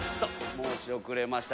申し遅れました。